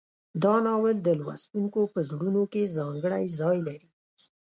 دا ناول د لوستونکو په زړونو کې ځانګړی ځای لري.